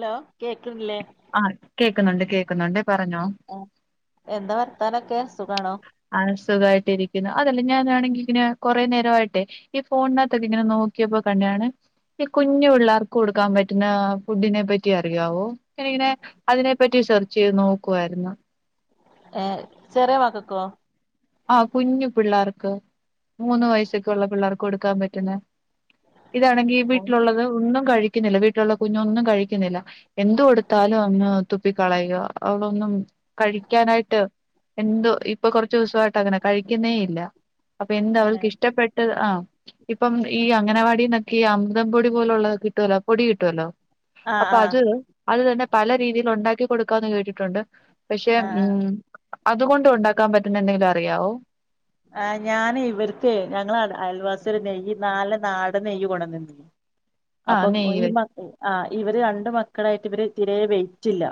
Hello കേക്കണില്ലേ ആ കേക്കുന്നുണ്ട് കേക്കുന്നുണ്ട് പറഞ്ഞോ ആ എന്താ പറ ത്താനൊക്കെ ആ സുഖായിട്ടിരിക്കുന്നു അ ല്ല ഞാനാണെങ്കി ഇങ്ങനെ കൊറെ നേരവായിട്ടെ ഈ ഫോണിനാത്തൊക്കെ ഇങ്ങനെ നോക്കിയപ്പോ കണ്ടായാണെ ഈ കുഞ്ഞു പിള്ളേർക്ക് കൊടുക്കാൻ പറ്റുന്ന ഫുഡിനെ പറ്റി അറിയാവോ ഞാൻ ഇങ്ങനെ അതിനെപ്പറ്റി സെർച്ച് ചെയ്ത് നോക്കുവായിരുന്നു ഏഹ് ചെറിയ മക്കക്കോ ആ കുഞ്ഞു പിള്ളേർക്ക് മൂന്ന് വയസ്സൊക്കെ ഉള്ള പിള്ളേർക്ക് കൊടുക്കാൻ പറ്റുന്ന ഇതാണെങ്കി വീട്ടിലുള്ളത് ഒന്നും കഴി ക്ക്ന്നില്ല വീട്ടിലുള്ള കുഞ്ഞു ഒന്നും കഴിക്കുന്നില്ല എന്ത്‌ കൊടുത്താലും അങ്ങ് തുപ്പി കളയുക അവളൊന്നും കഴിക്കാനായിട്ട് എന്തോ ഇപ്പൊ കുറച്ച് ദിവസ ട്ടങ്ങനെ കഴിക്കുന്നേ ഇല്ല അപ്പൊ എന്താ ഏഹ് അവൾക്ക് ഇഷ്ടപ്പെട്ടത് ആ ഇപ്പം ഈ അംഗനവാടിന്നൊ ഈ അമ്തം പൊടി പോലുള്ളത് കിട്ടുവലോ പൊടി കിട്ടുവല്ലോ ആഹ് അപ്പൊ ആഹ് അത് അത് തന്നെ പല രീതിയിൽ ഉണ്ടാക്കി കൊടുക്കാന്ന് കേട്ടിട്ടുണ്ട് പക്ഷെ ആഹ് ആഹ് മ് അതുകൊണ്ട് ഉണ്ടാക്കാൻ പറ്റുന്ന് ണ്ടെങ്കിൽ യാവും ആ ഞാന് ഇവർക്ക് ഞങ്ങളെ അയൽവാസി നെയ് നാല നാട നെയ്യ് കൊണ്ടന്നി ആ അപ്പൊ ഈ നെയ്യ് മ ആ ഇവര് രണ്ട് മക്കളായിട്ട് ഇവര് തിരെ വൈറ്റില്ല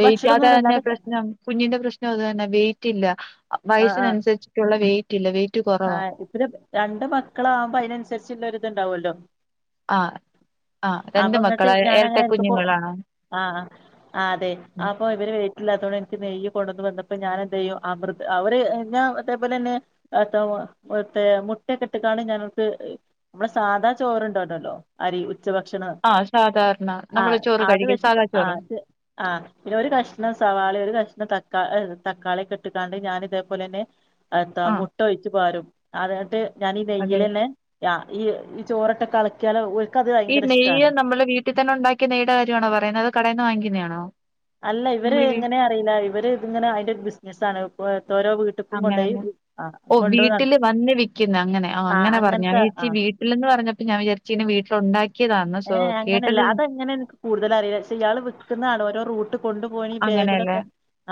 വെയിറ്റ് അതന്നെ പ്രശ്നം കുഞ്ഞിന്റെ പ്രശ്നം അത് തന്നെ വെയിറ്റ്ല്ല വയസ്സിനനുസരിച്ച്ട്ടുള്ള വെയിറ്റ് ഇല്ല വെയിറ്റ് ആ കുറവാ ഇപ്പരം രണ്ട് മക്കളാവുമ്പോ അതിനനുസരിച്ചുള്ള- ഇത് ഇണ്ടാവുമല്ലോ ആ ആ രണ്ട് അപ്പൊ ഇങ്ങട്ട് മക്കളാ ഞാൻ ഇരട്ട അങ്ങനെ അപ്പോ കുഞ്ഞുങ്ങളാണോ ആ ആ അതെ ഉം. അപ്പൊ ഇവര് വൈറ്റില്ലാതോണ്ട് എനിക്ക് നെയ്യും കൊണ്ടു വന്നപ്പോ ഞാന് എന്ത്‌ ചെയ്യും അമൃത് അവര് ഞാ അതേപോലെന്നെ മ മേ മുട്ടയൊക്കെ ഇട്ട് കാണ്ട് നമുക്ക് മ്മളെ സാധാ ചോറ് ഉണ്ടോലൊല്ലോ അരി ഉച്ച ഭക്ഷണം ആ സാധാരണ ആ നമ്മള് ചോറ് അത് കഴിക്കും വെച്ച സാദാ ചോറ് ആത് അ ഒരു കഷണം സവാളി ഒരു കഷണം തക്കാ തക്കാളിക്കട്ട്ക്കാണ്ട് ഞാൻ ഇതേപോലെന്നെ എന്താ ആ ട്ട ഒഴിച്ചു പാരും അതട്ട് ഞാനീ അതെ വെയിലന്നെ ഈ ഈ ചോറൊക്കെ കളക്യാല ഈ നെയ്യ് നമ്മടെ വീട്ടിൽ തന്നെ ഉണ്ടാക്കിയ നെയ്യയുടെ കാര്യണോ പറയുന്നത് അത് കടയിന്ന് വാങ്ങിക്കുന്നതാണോ അല്ല ഇവര് നമ്മള് വീ ഇങ്ങനെ അറിയില്ല ഇവര് ഇങ്ങനെ അതിന്റെ ബിസിനസ് സാണ് അങ്ങനന്നെ ഓഹ് കൊണ്ടു നട വീട്ടില് വന്ന് വിക്കുന്നു അങ്ങനെ ആ അങ്ങനെ പറഞ്ഞു ഞാൻ അങ്ങനത്തെ ആ വിചേരിച്ചി വീട്ടിൽന്ന് പറഞ്ഞപ്പോ ഞാൻ വിചാരിച്ച് ഈ വീട്ടിൽ ഉണ്ടാക്കിയതാണ് ഏഹ് അങ്ങനെയല്ല അത് അങ്ങനെ എനിക്ക് കൂടുതല് അറിയില്ല പക്ഷെ ഇയാൾ വിക്കുന്ന ആൾ ഓരോ റൂട്ട് കൊണ്ടുപോയിഈ അങ്ങനെയല്ലേ ബേഗിലൊക്കെ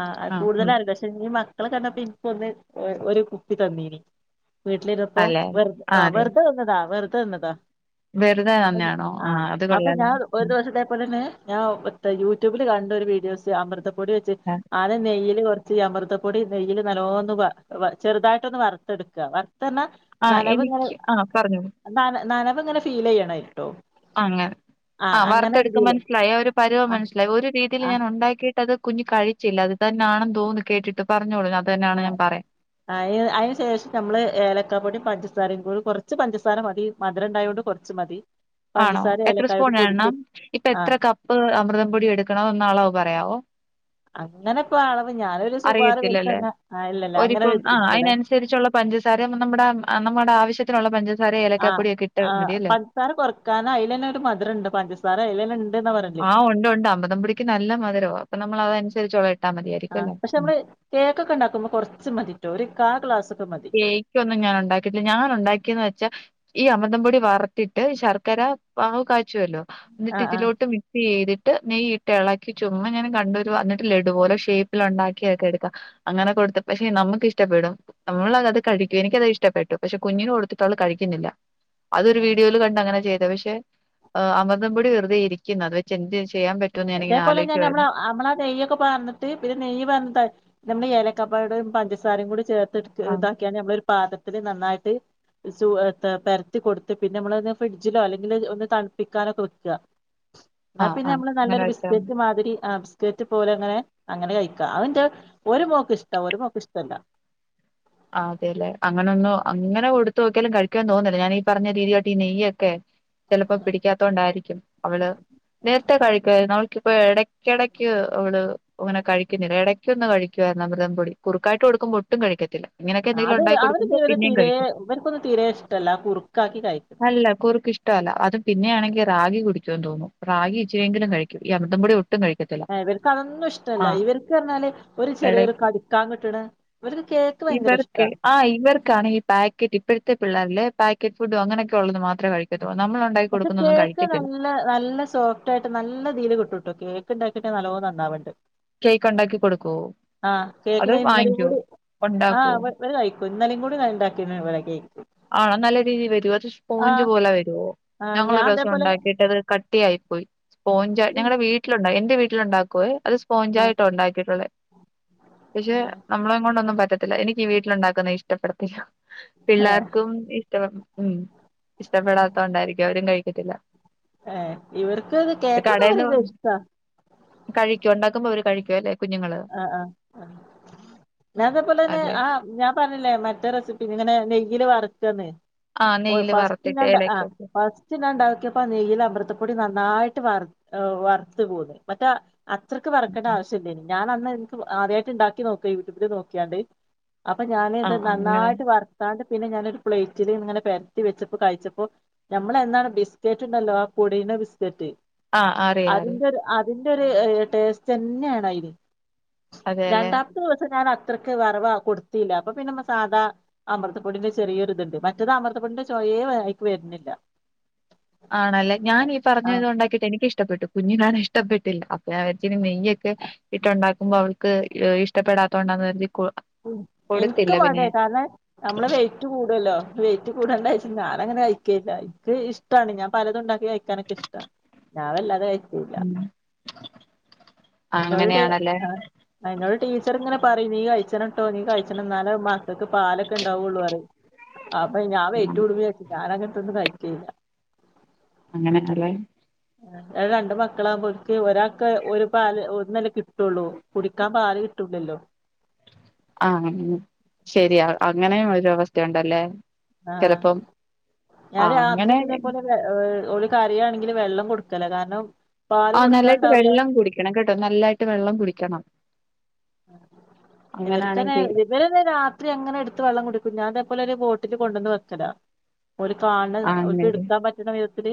ആ കൂടുതല പക്ഷെ ഇഞ്ഞ് മക്കളെ കണ്ടപ്പ ഇനിക്ക് ഒന്ന് ഒരു കുപ്പി തന്നീന് വീട്ട്ലിരപ്പോ അല്ലെ വെർ വെർതെ തന്നതാ വെർ തന്നതാ വെറ്തെ തന്നെയാണോ ആ ആഹ് അത് അപ്പ ഞാ കൊള്ളാലോ ഒരു ഉം. ദിവസത്തെ പോലെന്നെ ഞാൻ യൂട്യൂബ്ല് കണ്ട ഒര് വീഡിയോസ് അമൃതം പൊടി വെച്ച് ആ ആദ്യം നെയ്യ്ല് കോർ ച്ച് അമൃതപ്പൊടി നെയ്യ്ല് നല്ലോന്ന് വ വ ചെറുതായിട്ടൊന്ന് വറ്ത്തെട്ക്കാ വർ തർന്നാ ആ, ന്നനവ്ങ്ങനെ എനിക്ക് ആ പറഞ്ഞോളൂ ന്നന ന്നന പ്പങ്ങനെ ഫീല് യ്യണ് ട്ടോ അങ്ങനെ ആ ആഹ് അങ്ങനെ വർത്തെടുക്കുമ്പോ ഒരുതില് മനസ്സിലായോ ആ ഒരു പരുവം ആ മനസിലായി ഒര് രീതിയിൽ ആ ഞാൻ ഉണ്ടാക്കി അത് കുഞ്ഞ് കഴിച്ചില്ല അത് തന്നാണെന്ന് തോന്ന് കേട്ടിട്ട് പറഞ്ഞോളൂ അത് തന്നെയാണ് ഞാൻ ആഹ് പറയാ അയിന് അതിന് ശേഷം നമ്മള് ഏലക്കാ പൊടിയും പഞ്ച സാരയും കൂടി കുറച്ച് പഞ്ചസാര മതി മധുരം ഉണ്ടായത് കൊണ്ട് കുറച്ച് മതി ആണോ പഞ്ചസാര എത്ര ഏലക്കായോണ്ട് സ്പൂൺ പൊടിച്ച് വേണം ഇപ്പൊ ആ എത്ര കപ്പ് അമൃതം പൊടി എടുക്കണം എന്ന ആളവ് പറയാവോ അങ്ങനെ ഇപ്പ അളവ് ഞാനൊരു സുമാറ് പേർക്ക് അറിയത്തില്ലല്ലേ അങ്ങ ആ ഇല്ലല്ല അങ്ങനെ ഒരിപ്പം ആഹ് എടുക്കല അതിനനുസരിച്ചുള്ള പഞ്ചസാരയാവുമ്പോ നമ്മുടെ നമ്മുടെ ആവശ്യത്തിനുള്ള പഞ്ച സാര ഏലക്കാപ്പൊടിയൊക്കെ ഇട്ട് മതീല്ലേ കാരണം അയില് തന്നെ ഒരു മധുരമുണ്ട് പഞ്ചസാര അയില് തന്നെ ഉണ്ടെ ആഹ് ഉണ്ട് ഉണ്ട് അമൃതം പൊടിക്ക് നല്ല മധുരവാ അപ്പൊ നമ്മൾ അത നുസരിച്ച് ആഹ് പക്ഷെ നമ്മള് കേക്കൊക്കെ ഉണ്ടാക്കുമ്പോൾ കൊറച്ച് മതീട്ടോ ഒരു കാൽ ഗ്ലാസൊ കേക്ക് ഒന്നും ഞാൻ ഉണ്ടാക്കിട്ടില്ല ഞാന് ഉണ്ടാക്കിയന്ന് വെച്ചാ ഈ അമൃതംപൊടി വറത്തിട്ട് ശർക്കര പാവ് കാ ച്ചുമല്ലോ എന്നിട്ട് ആഹ് ഇതിലോട്ട് മിക്സ് ചെയ്തി ട്ട് നെയ്യ് ഇട്ട് ഇളക്കി ചുമ്മാ ഞാൻ കണ്ടൊരു അന്നിട്ട് ലെഡു പോലെ ഷേപ്പിൽ ഉണ്ടാക്കിയൊക്കെ എടുക്കാം അങ്ങനെ കൊടുത്ത് പക്ഷെ നമുക്ക് ഇഷ്ടപ്പെടും നമ്മളത് കഴിക്കും എനിക്കത് ഇഷ്ടപ്പെട്ടു പക്ഷെ കുഞ്ഞിന് കൊടുത്തിട്ട് അവള് കഴിക്കുന്നില്ല അതൊരു ആഹ് വീഡിയോൽ കണ്ട് അങ്ങനെ ചെയ്തത് പക്ഷെ. ഇട്ട് അമൃതം പൊടി വെറുതെ ഇരിക്കുന്നു അത് വെച്ച് എന്തേലും. ഇതേപോലെ ഞാൻ നമ്മളെ നമ്മളാ നെയ്യൊക്കെ വാർന്നിട്ട് പിന്നെ നെയ്യ് വന്ന നമ്മള് ഇലക്ക്. [unintelligible] പഞ്ചസാരയും കൂടെ ചേർത്ത്. ആ ഇതാക്കി ഞമ്മൾക്ക്. പാകത്തിന് നന്നായിട്ട് ചു എടു പെരട്ടി കൊടുത്ത് പിന്നെ നമ്മള് ഫ്രിഡ്ജിലോ അല്ലെങ്കിൽ ഒന്ന് തണുപ്പിക്കാനൊക്കെ വയ്ക്കുക. ആഹ് ആ അങ്ങനെ നല്ലൊരു വെച്ചാ ബിസ്ക്കറ്റ് മാതിരി ആ ബിസ്കറ്റ് പോലെ അങ്ങനെ അങ്ങനെ കഴിക്ക അവന്റെ ഒരു മോക്ക് ഇഷ്ടം ഒരു മോക്ക് ഇഷ്ടല്ല അതെ അല്ലെ അങ്ങനൊന്നും അങ്ങനെ കൊടുത്തോക്യാലും കഴിക്കാന്ന് തോന്നുന്നില്ല ഞാനീ പറഞ്ഞ രീതിയാട്ട് ഈ നെയ്യൊക്കെ ചിലപ്പോ പിടിക്കാത്തോണ്ടായിരിക്കും അവള് നേരത്തെ കഴിക്കുവാരുന്ന് അവൾക്ക് ഇപ്പൊ ഇടയ്ക്കിടയ്ക്ക് അവള് അങ്ങനെ കഴിക്കുന്നില്ല ഇടയ്ക്ക് ഒന്ന് കഴിക്കുവായിരുന്ന അമൃതം പൊടി കുറുക്കായിട്ട് കൊടുക്കുമ്പോ ഒട്ടും കഴിക്കത്തില്ല ഇങ്ങനെയൊക്കെ എന്തെങ്കിലും അത് ഉണ്ടായി അവര് കൊടുക്കുമ്പോ ഇവര് പിന്നെയും തീരെ കഴിക്കും ഇവർക്കൊന്നും തീരെ ഇഷ്ടല്ല കുറുക്കാക്കി കഴിക്കുന്നത് അല്ല കുറക്ക് ഇഷ്ടല്ല അതും പിന്നെയാണെ റാഗി കുടിക്കോന്ന് തോന്നുന്നു റാഗി ഇച്ചിരി വെങ്കിലും കഴിക്കും ത്ത പൊടി ഒട്ടും കഴിക്കത്തില്ല ആ ഇവർക്ക് അതൊന്നും ആ ഇഷ്ടല്ല ഇവർക്ക് പറഞ്ഞാല് ഒരു ഇട ചെറിയൊരു കടിക്കാൻ കിട്ടണ് ഇവരത് കേ ഇവർക്ക് ആ ഇവർക്കാണ് ഈ പാക്കറ്റ് ഇപ്പോഴത്തെ പിള്ളേരില്ലെ പാക്കറ്റ് ഫുഡോ അങ്ങനൊക്കെ ഉള്ളത് മാത്രം പക്ഷെ കേക്ക് നല്ല നല്ല സോഫ്റ്റ് ആയിട്ട് നല്ല രീൽ കിട്ടുട്ടോ കേക്ക് ഉണ്ടാക്കി നല്ലോ നന്നാവുണ്ട് കേക്ക് ഉണ്ടാക്കി കൊടുക്കുവോ ആ കേക്ക് അതോ ഞാൻ ഇന്നലും വാങ്ങിക്കുവോ കൂടി ആ ഉണ്ടാക്കുവോ ഇവിടെ കയിക്കും ഇന്നലും കൂടി ഞൻ ഇണ്ടാക്കി ഇവിടെ കേക്ക് ആണോ നല്ല രീതിൽ വരുവോ അത് സ്പോഞ്ച് ആഹ് പോലെ ആഹ് ഞാൻ ഞങ്ങളൊരു ദിസം അതേപോലെ ഉണ്ടാക്കിട്ടത് ക ട്ടിയായി പോയി സോഞ്ച ഞങ്ങളടെ വീട്ടിലുണ്ടോ എന്റെ വീട്ട വീട്ടിലുണ്ടാക്കുവേ അത് ആഹ് സ്പോഞ്ചായിട്ട ഉണ്ടാക്കിയിട്ടുള്ളത് പക്ഷെ നമ്മളെ കൊണ്ടൊന്നും പറ്റത്തി എനിക്ക് വീട്ടിലുണ്ടാക്കുന്നത് ഇഷ്ടപ്പെടത്തില്ല ആ ഇഷ്ടം ഉം ഇഷ്ടപ്പെടാത്തൊണ്ടായിരിക്കും അവരും കഴിക് കിട്ടില ഏർ ഇവർക്ക് അത് കേക്കൊക്കെ കടേന്ന് അവര്ക്ക് ഇഷ്ടാ ക്മ്പം അവര് കഴിക്കുവല്ലേ? ആ ആഹ് ഞാ അതേപോലെ തന്നെ അതെ ആ ഞാൻ പറഞ്ഞില്ലേ മറ്റേ റെസിപ്പീ ഇങ്ങനെ നെയ് ഇല് വറ്ത്തത് ആ ഓ നെയ്യില് ഫസ്റ്റ് വറുത്തിട്ട് രണ്ട് ആ ഏലക്ക ഇട്ട് ഫസ്റ്റ് രണ്ടാക്കിയപ്പ നെയ്യ്ല് അമൃതം പൊടി നന്നായിട്ട് ട്ട് വറ് വറ്ത്ത്കോരും മറ്റാ അത്രക്ക് വറ്ക്കണ്ട ആവശ്യല്ലന് ഞാൻ അന്ന് ഇൻക്ക് ആദ്യായിട്ട് ഇണ്ടാക്കി നോക്ക യൂട്യൂബില് നോക്കിയാണ്ട് അപ്പൊ ആ ഞാനിത് ആ, അങ്ങനെ നന്നായിട്ട് വർത്താണ്ട് പിന്നെ ഞാനൊരു പ്ലേറ്റില് ഇങ്ങനെ പരത്തി വെച്ചപ്പോ കഴിച്ചപ്പോ നമ്മളെന്താണ് ബിസ്ക്കറ്റ് ഉണ്ടല്ലോ ആ പൊടീണ ബിസ്കറ്റ് ആഹ് അറിയാ അറിയാ അതിൻ്റെ ഒരു ടേസ്റ്റ് തന്നെയാണ് അയിന് അതെല്ലെ രണ്ടാമത്തെ ദിവസം ഞാനത് ഇത്രക്ക് വറവാ കൊടുത്തീല്ല. അപ്പൊ പിന്നെ നമ്മ സാധാ അമൃതപ്പൊടിന്റെ ചെറിയൊരു ഇതുണ്ട്. മറ്റത് അമൃതപ്പൊടിന്റെ ചൊയേ വായിക്ക് വര്ന്നില്ല. ആണല്ലേ? ഞാനീ പറഞ്ഞത് ഒണ്ടാക്കിയിട്ട് എനിക്കിഷ്ടപ്പെട്ടു കുഞ്ഞിനാണേ ഇഷ്ടപ്പെട്ടില്ല. അപ്പൊ ഞാൻ വിചാരിച്ചു ഇനി നെയ്യൊക്കെ ഇട്ടുണ്ടാക്കുമ്പോൾ അവൾക്ക് ഇഷ്ടപ്പെടാത്തോണ്ടാന്ന് കരുതി കൊ എനിക്ക് കൊടുത്തില്ല വേണ്ടെ. പിന്നെ കാരണം, നമ്മളെ വെയിറ്റ് കൂടുവല്ലോ? വെയിറ്റ് കൂടണ്ടാച്ച് ഞാനങ്ങനെ കയി ക്കില്ല. ഇക്ക് ഇഷ്ടാണ്. ഞാൻ പലതുംണ്ടാക്കി കഴിക്കാനൊക്കെ ഇഷ്ടാ. ഞാൻ അല്ലാതെ കഴി ക്കൂല. ഉം ആ, എന്നോട് അങ്ങനെയാണല്ലേ ആ എന്നോട് ടീച്ചർ ഇങ്ങനെ പറയും നീ കഴി ക്കണട്ടോ. നീ കഴിച്ചണം എന്നാലേ മക്കൾക്ക് പാലൊക്കെ ഇണ്ടാവുള്ളൂ പറയും. അപ്പൊ ഞാൻ വെയിറ്റ് ഉം കൂടുമ്പയേക്കും ഞാനങ്ങനത്തൊന്നും കഴിക്കയേല്ല അങ്ങനെ അല്ലേ രണ്ട് മക്കളാമ്പോക്ക് ഒരാക്ക് ഒരു പാല് ഒന്നല്ലേ കിട്ടുള്ളൂ? കുടിക്കാൻ പാല് കിട്ടൂല്ലല്ലോ? ആഹ് ശരിയാ അങ്ങനെയും ഒരവസ്ഥ ഉണ്ടല്ലേ? ആഹ് ഞാൻ അങ്ങനെ രാത്രിക്ക് ഇതേപോലെ ഓര് കരിയാണെങ്കി ല് വെള്ളം കൊടുക്കലാ കാരണം പാല് ആ നല്ലായിട്ട് കൊടുക്കാണ്ടാവൂല വെള്ളം കുടിക്കണം കേട്ടോ. നല്ലായിട്ട് വെള്ളം കുടിക്കണം ഇവർക്കന്നെ അങ്ങനാണെങ്കി ഇവരന്നെ രാത്രി അങ്ങനെ എടുത്ത് വെള്ളം കുടിക്കും ഞാൻ ലൊരു ബോട്ടിൽ കൊണ്ടുവന്ന് വെക്കലാ ഓല് കാണ് ആ അങ്ങനെ. ഓൽക്ക് എടുക്കാൻ പറ്റണ വിധത്തില്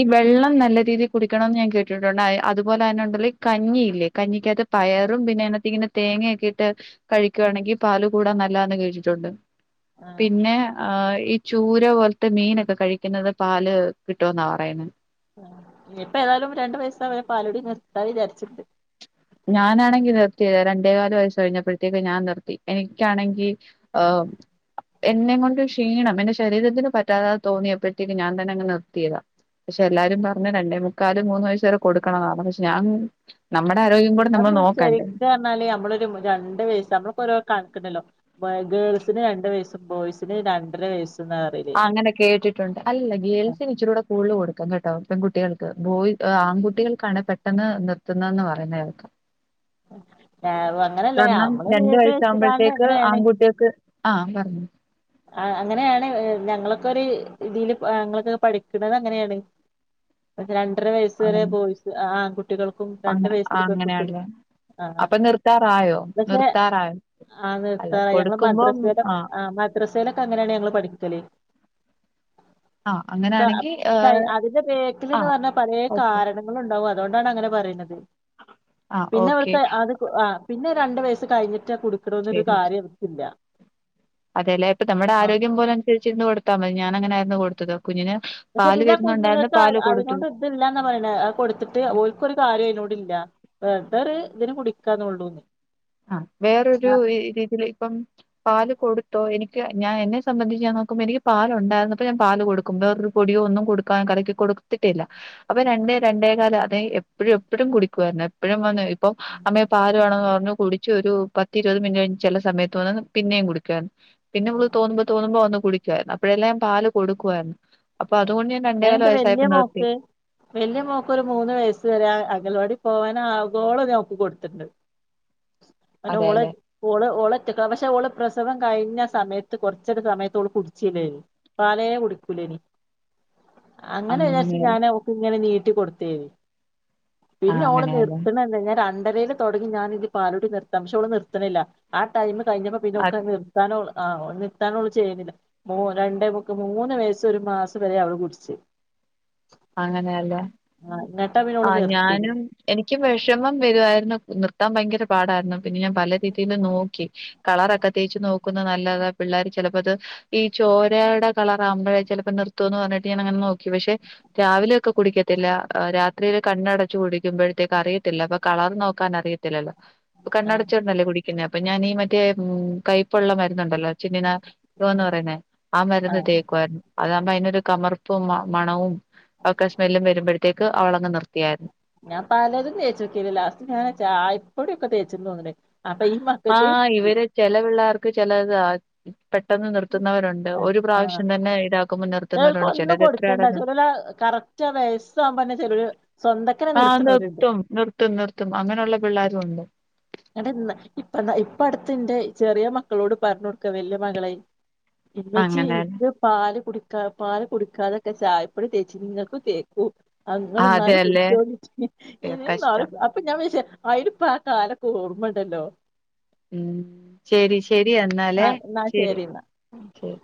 ഈ വെള്ളം നല്ല രീതിൽ കുടിക്കണംന്ന് ഞാൻ കേട്ടിട്ടുണ്ട്. അതുപോലെ തന്നെ ഉണ്ടല്ലോ ഈ കഞ്ഞിയില്ലേ കഞ്ഞിക്കകത്ത് പയറും പിന്നെ അതിനകത്ത് ഇങ്ങനെ തേങ്ങയൊക്കെ ഇ ട്ട് കഴിക്കുകയാണെങ്കിൽ പാല് കൂടാ നല്ലാന്ന് കേട്ടിട്ടൊണ്ട് ആഹ് പിന്നെ ആ ഈ ചൂര വൊൽ മീനൊക്കെ കഴിക്കുന്നത് പാല് കിട്ടൂന്നാ പറയുന്നെ ഇനിയിപ്പ ഏതായാലും രണ്ട് വയസ്സായാ പാലുടി നിർത്താ വിചാരിച്ചിട്ട്ണ്ട് ഞാനാണെങ്കി നിർത്തിയതാ രണ്ടേകാല് വയസ് കഴിഞ്ഞപ്പോഴത്തേക്ക് ഞാൻ നിർത്തി. എനിക്കാണെങ്കി ഏഹ് എന്നേങ്കൊണ്ട് ക്ഷീണം. എന്റെ ശരീരത്തിന് പറ്റാതാതെ തോന്നിയപ്പോഴത്തേക്ക് ഞാൻ തന്നെ അങ്ങ് നിർത്തിയതാ. പക്ഷെ എല്ലാരും പറഞ്ഞു രണ്ടേമുക് കാല് മൂന്ന് വയസ്സ വരെ കൊടുക്കണ എന്നാണ് പക്ഷെ ഞാൻ നമ്മുടെ ആരോഗ്യം കൂടെ അ നമ്മൾ നോക്കണ്ടേ ശെരിക്ക പറഞ്ഞാല് നമ്മളൊരു രണ്ട് വയസ് നമ്മൾക്കഒരു ണ്ടല്ലോ ഗേൾസിന് രണ്ട വയസ്സും ബോയ്സിന് രണ്ടര വയസ്സും ആ അങ്ങനെ കേട്ടിട്ടുണ്ട് അല്ല ഗേൽസിന്ഇച്ചിരികൂടെ കൂടുതല് കൊടുക്കും ട്ടോ പെൺകുട്ടികൾക്ക് ബോയി ആൺകുട്ടികൾക്കാണ് പെ പെട്ടെന്ന് നിർത്തുന്നന്ന് പറയുന്ന കേൾക്ക അ [inaudible] കാരണം രണ്ട വയസ വെച്ച്കാണ്ട് ആകുമ്പോഴത്തേക്ക് അങ്ങനെയാണ് ആൺകുട്ടികക്ക് ആഹ പറഞ്ഞു ആ അങ്ങനെയാണ് ഞങ്ങളൊക്കെ ഒരു ഇതിൽ ഞങ്ങളൊക്കെ പഠിക്കണത അങ്ങനെയാണ് രണ്ടര വയസ് വരെ ബോയ്സ് ആൺകുട്ടികൾക്കും രണ്ട അങ്ങ വയസ് പെൺകുട്ടികളും അങ്ങനെയല്ലേ ആ അപ്പൊ നിർത്താറായോ പക്ഷെ നിർത്താറായോ ആ അല്ല നിർത്താറ് ഞങ്ങ കൊടുക്കുമ്പം മദ്രസടആ ആഹ് മദ്ര ക്കെ അങ്ങനെയാണ് ഞങ്ങള പഠിപ്പിക്കല് ആഹ് അങ്ങനാണെങ്കി ഏഹ് അതിന്റെ ബേക്കിൽ ആഹ് എന്ന് പറഞ്ഞാൽ പല ഓക്കെ കാരണങ്ങ ഉണ്ടാവും അ അതുകൊണ്ടാണ് അങ്ങനെ പറയുന്നത് ആഹ് പിന്നെ ഓക്കെ അവർക്ക് അത് ആ പിന്നെ രണ്ട് വയസ്സ് കഴിഞ്ഞിട്ട് കൊടു ഇത്രെന്നും ഒരു ശരി കാര്യം അവർക്കില്ല അതെല്ലേ ഇപ്പ നമ്മുടെ ആ ആരോഗ്യം പോലെനസരിച്ചി കൊടുത്താ മതി ഞാനങ്ങനെ ന്ന്കൊടുത്തത കുഞ്ഞിന പക്ഷെ പിന്നെ കുഞ്ഞുങ്ങൾക്ക് അതിനോട് ഇതല്ലന്ന പറയണ കൊടുത്തിട്ട് അവക്കരു കാര്യം അതിനോട് ഇല്ല വെർതൊരു ഇതിന് കുടിക്കാന്നന്ന്ള്ളുന്ന് ആ വേറൊരു രീതിൽ ഇപ്പം പാല് കൊടുത്തോ എനിക്ക് ക്ക്ഞാൻ എന്നെ സംബന്ധി ഞാ നോക്കുമ്പോ എനിക്ക് പാലുണ്ടരുന്നപ്പ ഞാൻ പാല്കൊടുക്ക വേറൊരു പൊടിയോ ഒന്നും കലക്കി കൊടുത്തി കൊടുത്തിട്ടില്ല അപ്പൊ രണ്ടേ രണ്ടേ കാലം അ എപ്പോഴും എപ്പോഴും കുടിക്കുവായിരുന്നു എപ്പോഴും വന്ന് അപ്പം അമ്മയെ പാല് വേണെന്ന് പറഞ്ഞു കുടിച്ച് ഒരു പത്തി ഇരുപത് മിനിറ്റ് കഴിഞ്ഞ് ചില സമയത്ത് തന്ന പിന്നെയും കുടിക്കുായിരുന്നു പിന്നെ ഉമ്മള് തോന്നുമ്പോ തോന്നുമ്പോ വന്ന കുടിക്കുായിരുന്നു അപ്പഴ എല്ലാം പാല് കൊടുക്കുായിരുന്നു ഞാനന്റെവല്യ മോക്ക് വല്യ മോക്ക് ഒരു മൂന്ന് വയസ്സ് വരെ അങ്കൽവാടി പോവൻ ആഗോളം ഞ ഓക്ക് കൊടുത്തിണ്ട് അഓള അതെല്ലേ ഓള ഓളറ്റക്ക പക്ഷെ ഓള പ്രസ സവം കഴിഞ്ഞ സമയത്ത് കുറച്ചടി സമയത്തോള്ള കുടിച്ചല്ലേ പാലയെ കുടിക്കൂല ഇനി ആ അങ്ങനെ വിചാരിച്ച അങ്ങനെയല്ലേ ഞാനൻ ഒക്കെ ഇങ്ങനെ നീട്ട കട്ടി കൊടുത്തരി ആ പിന്നെ ഓടെ അങ്ങനെയല്ലേ നിർത്തണ എന്തഞ്ഞാ രണ്ട് ഇടയിൽ തുടങ്ങി ഞാൻ ഇത് പാല നൃത്തംശോ നിർത്തണില്ല ആ ടൈമ കഴിഞ്ഞപ്പോ പിന്നെൊക്കെ അത് നിർത്താനോുള്ള ആഹ് ഒന്ന നിത്താനോള്ള ചെയ്യുന്നില്ല മൂ രണ്ടേക്ക മൂന്ന് വയസ് ഒരു മാസം വരെ അവള് കുടിച്ചു അങ്ങനെയല്ലേ എന്നിട്ടാ പിന്നെ ഓള് ആ നിർത്തിയത് ഞാനും എനിക്കും വിഷമം വരുവായിരുന്നുർ എത്താ ഭയങ്കര പാടായിരുന്നു പിന്നെ ഞാൻ പല രീതിയിൽ നോക്കി കളറൊക്കെ തേച്ചച്ച് നോക്കുന്നത് നല്ലതാ പിള്ളേർ ചിലപ്പോ അത് ഈ ചോരയുടെ കളറ ആവുമ്പഴ ചിലപ്പോ നിർത്തന്ന് പറഞ്ഞിട്ട് ഞാൻ അങ്ങനെ നോക്കി പക്ഷെ രാവിലെയ ഒക്കെ കുടിക്കത്തില്ല രാത്രിൽ കണ്ണടച്ച്ു കുടിക്കുമ്പോഴത്തേക്ക് അറിയത്തില്ല അപ്പൊ കളർ നോക്കാൻ അറിയത്തില്ലല്ലോ ഇപ്പൊ ആ കണ്ണടച്ചോടനല്ലേ കുടിക്കുന്നേ അപ്പൊ ഞാൻീ മറ്റേ ഉ കൈപ്പുള്ള മരുന്നുണ്ടല്ലോ ച തോന്നു പറയുന്നേ ആ മരുന്ന് തക്കുായിരുന്നു അതാകുമ്പോ അതിനൊരു കമർപ്പും മണവും അവ കശ്മെല്ലും വരുമ്പോഴത്തേക്ക് അവളങ്ങങ് നിർത്തിയായിരുന്നു ഞാൻ പലതും തേച്ചിക്കില്ല ലാസ്റ്റ് ഞാ ചപ്പോടിക്കെ തേച്ചന്ന് തോന്നേ ആഹ് ഇവരെ ചലവെള്ളർക്ക ചലത പ പെട്ടെന്ന് നിർത്തുന്നവരുണ്ട് ആ ഒരു ആ പ്രാവശ്യം തന്നെ ഇതാക്കുമ്പോ ചിലർക്ക് നിർത്തുന്നവരുണ്ട് ഒന്നും ചിലത് എത്ര അട കൊടുക്കണ്ട ചിലര് കറക്റ്റ് ആ വയസ്സാകുമ്പോന്നെ ചിലര് സ്വന്തക്കനെ ആഹ നിർത്തണോരുണ്ട് നിർത്തും നിർത്തും നിർത്തും അങ്ങനെയുള്ള പിള്ളേരുും ഉണ്ട് അ ഇപ്പാ ഇപ്പ അടുത്ത് എന്റെ ചെറിയ മക്കളോട് പറഞ്ഞു കൊടുക്ക വല്യ മകളെ ഇേച്ചി അങ്ങനെ എനിക്ക് പാല് കുടി പാാല കുടുടിക്കാതൊക്കെ ചായപ്പഴും തേച്ച നിങ്ങൾക്ക് തേക്കും അങ്ങ ആഹ് എന്നാലും അതെയല്ലേ കുടിച്ചോണ്ടിട്ട ഇനി നാല് കഷ്ടം അപ്പൊ ഞാൻ വി ആയിട്ടപ്പാ അല ഓർമ്മണ്ടല്ലോ ഉം ശരി ശരി എന്നാലേ ആ ന്നാ ശരി ശരി